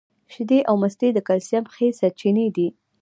شیدې او مستې د کلسیم ښې سرچینې دي